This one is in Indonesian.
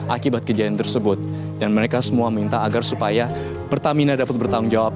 akibat kejadian tersebut dan mereka semua minta agar supaya pertamina dapat bertanggung jawab